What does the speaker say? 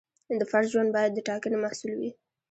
د فرد ژوند باید د ټاکنې محصول وي.